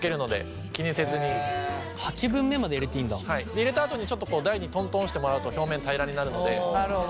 入れたあとにちょっと台にトントンしてもらうと表面平らになるので。